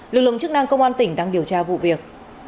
lực lượng chức năng công an tỉnh đang điều tra vụ việc